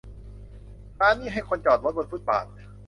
ร้านนี้ให้คนจอดรถบนฟุตบาท